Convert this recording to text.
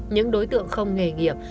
những đối tượng không nghề nghiệp